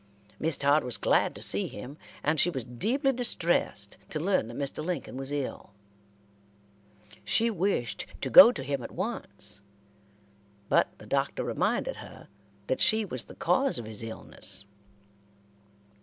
Miss Todd was glad to see him, and she was deeply distressed to learn that Mr. Lincoln was ill. She wished to go to him at once, but the Doctor reminded her that she was the cause of his illness.